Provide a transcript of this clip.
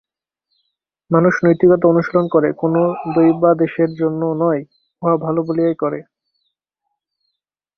মানুষ নৈতিকতা অনুশীলন করে, কোন দৈবাদেশের জন্য নয়, উহা ভাল বলিয়াই করে।